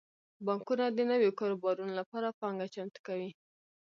بانکونه د نویو کاروبارونو لپاره پانګه چمتو کوي.